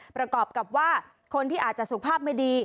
ประกอบกับว่าคนที่อาจจะสุภาพไม่ดี